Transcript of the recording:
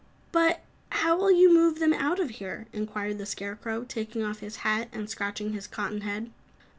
"But how will you move them out of here?" inquired the Scarecrow, taking off his hat and scratching his cotton head.